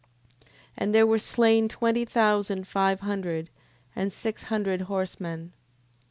10:31. And there were slain twenty thousand five hundred, and six hundred horsemen.